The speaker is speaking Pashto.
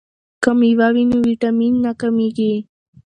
که میوه وي نو ویټامین نه کمیږي.